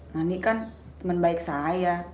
nani kan teman baik saya